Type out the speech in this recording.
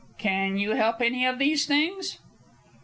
Can you help any of these things?"